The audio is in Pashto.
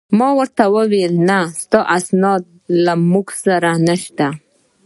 ما ورته وویل: نه، ستا اسناد له موږ سره نشته.